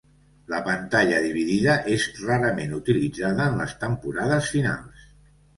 La pantalla dividida és rarament utilitzada en les temporades finals.